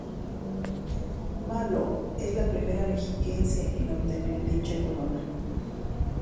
Malo es la primer mexiquense en obtener dicha corona.